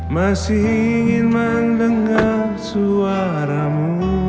masih ingin mendengar suaramu